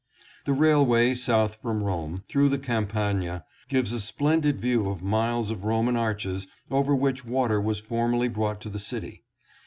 The railway south from Rome, through the Cam pagna, gives a splendid view of miles of Roman arches over which water was formerly brought to the city.